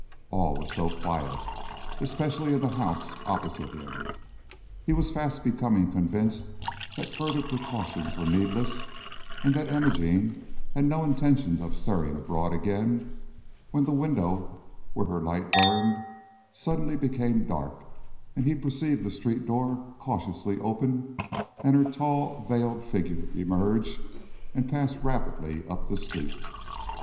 All was so quiet, especially in the house opposite him, he was fast becoming convinced that further precautions were needless, and that Imogene had no intention of stirring abroad again, when the window where her light burned suddenly became dark, and he perceived the street door cautiously open, and her tall, vailed figure emerge and pass rapidly up the street.